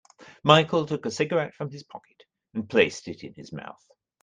Michael took a cigarette from his pocket and placed it in his mouth.